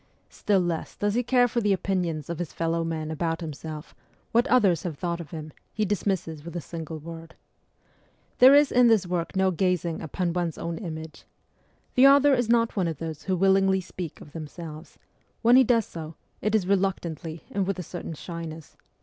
Still less does he care for the opinions of his fellow men about himself ; what others have thought of him, he dismisses with a single word. There is in this work no gazing upon one's own image. The author is not one of those who willingly speak of themselves ; when he does so, it is reluctantly and with a certain shyness.